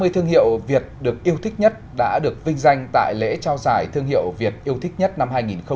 ba mươi thương hiệu việt được yêu thích nhất đã được vinh danh tại lễ trao giải thương hiệu việt yêu thích nhất năm hai nghìn hai mươi